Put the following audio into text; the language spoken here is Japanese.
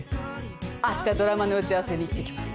あしたドラマの打ち合わせに行ってきます。